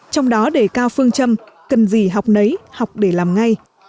trong đó đề cao phương châm cần gì học nấy học để làm ngay